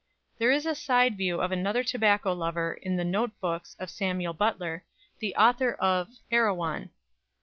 There is a side view of another tobacco lover in the "Note Books" of Samuel Butler, the author of "Erewhon."